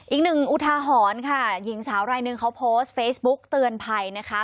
อุทาหรณ์ค่ะหญิงสาวรายหนึ่งเขาโพสต์เฟซบุ๊กเตือนภัยนะคะ